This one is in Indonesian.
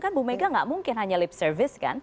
kan bu mega gak mungkin hanya lip service kan